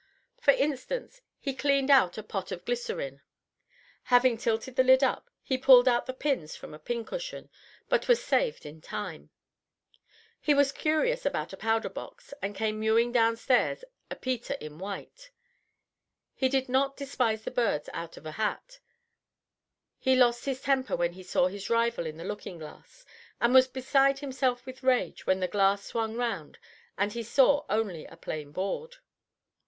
For instance he cleaned out a pot of glycerine. Having tilted the lid up, he pulled out the pins from a pincushion, but was saved in time; he was curious about a powder box, and came mewing downstairs a Peter in white; he did not despise the birds out of a hat; he lost his temper when he saw his rival in the looking glass, and was beside himself with rage when the glass swung round and he saw only a plain board.